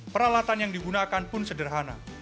peralatan yang digunakan pun sederhana